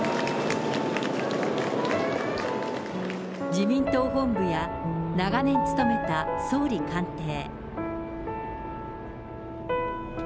自民党本部や、長年つとめた総理官邸。